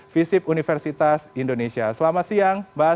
visip universitas indonesia selamat siang mbak